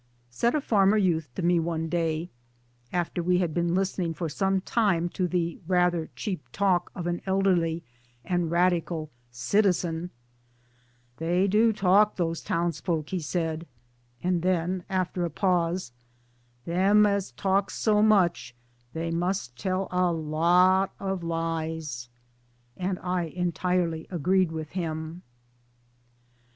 Said a farmer youth to me one day after we had' been listening for some time to the rather cheap talk of an elderly and radical " citizen "" They do talk, those townsfolk," he said; and then after a pause " them as talks so much they must tell a lot o* lies" And I entirely agreed with him.